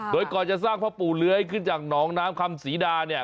โดยก่อนจะสร้างพ่อปู่เลื้อยขึ้นจากหนองน้ำคำศรีดาเนี่ย